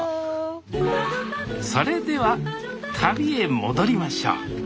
それでは旅へ戻りましょう。